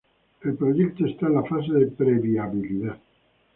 El proyecto está en la fase de pre-viabilidad.